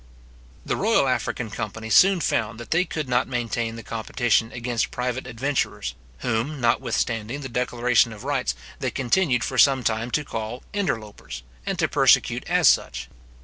The Royal African company soon found that they could not maintain the competition against private adventurers, whom, notwithstanding the declaration of rights, they continued for some time to call interlopers, and to persecute as such.